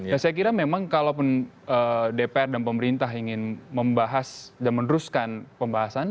dan saya kira memang kalau dpr dan pemerintah ingin membahas dan meneruskan pembahasan